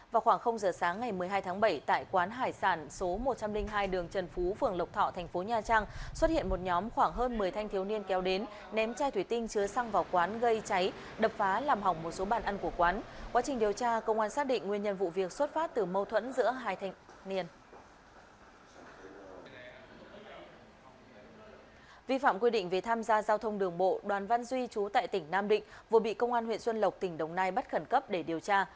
vi phạm quy định về tham gia giao thông đường bộ đoàn văn duy trú tại tỉnh nam định vừa bị công an huyện xuân lộc tỉnh đồng nai bắt khẩn cấp để điều tra